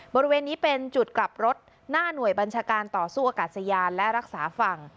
บริเวณนี้เป็นจุดกลับรถหน้าหน่วยบัญชาการต่อสู้อากาศยานและรักษาฝั่ง